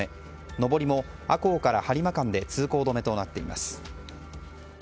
上りも赤穂から播磨間で通行止めとなっています。